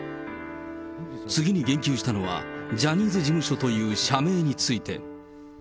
次に言及したのは、ジャニーズ事務所という社名について。